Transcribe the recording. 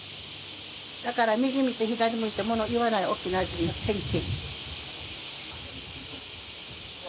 だから右見て左見て物言わない沖縄人の典型。